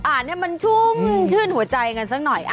อ่าเนี่ยมันชุ่มชื่นหัวใจกันซักหน่อย